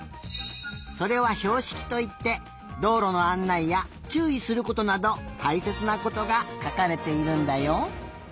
それはひょうしきといってどうろのあんないやちゅういすることなどたいせつなことがかかれているんだよ。